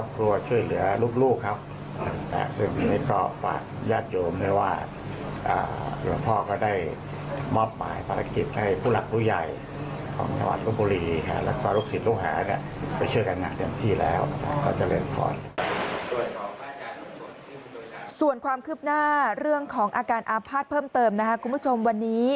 ส่วนความคืบหน้าเรื่องของอาการอาภาษณ์เพิ่มเติมนะครับคุณผู้ชมวันนี้